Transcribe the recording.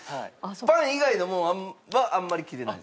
パン以外のものはあんまり切れないんですか？